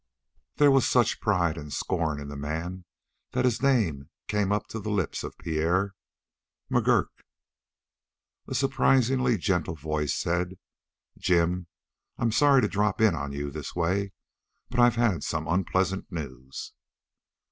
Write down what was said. There was such pride and scorn in the man that his name came up to the lips of Pierre: "McGurk." A surprisingly gentle voice said: "Jim, I'm sorry to drop in on you this way, but I've had some unpleasant news."